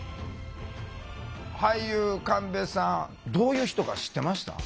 俳優神戸さんどういう人か知ってました？